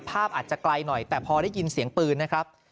อาจจะไกลหน่อยแต่พอได้ยินเสียงปืนนะครับ